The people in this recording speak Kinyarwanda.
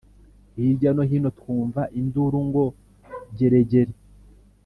Hirya no hino twumva induru ngo geregere